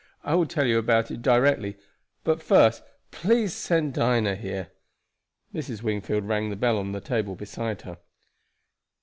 I will tell you about it directly, but first please send for Dinah here." Mrs. Wingfield rang the bell on the table beside her.